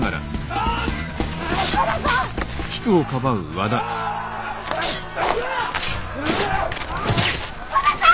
和田さん！